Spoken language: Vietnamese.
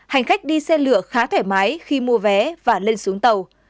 hành khách đi xe lửa khá thoải mái khi mua vé và lên xuống tàu